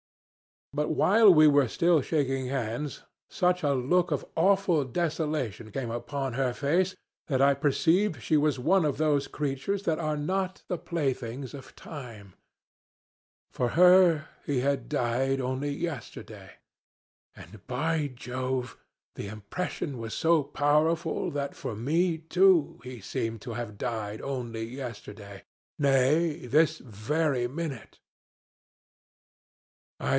But while we were still shaking hands, such a look of awful desolation came upon her face that I perceived she was one of those creatures that are not the playthings of Time. For her he had died only yesterday. And, by Jove! the impression was so powerful that for me too he seemed to have died only yesterday nay, this very minute.